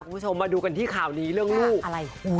คุณผู้ชมมาดูกันที่ข่าวนี้เรื่องลูกอะไร